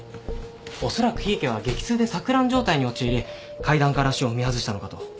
おそらく檜池は激痛で錯乱状態に陥り階段から足を踏み外したのかと。